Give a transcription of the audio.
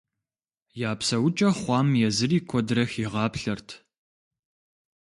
Я псэукӀэ хъуам езыри куэдрэ хигъаплъэрт.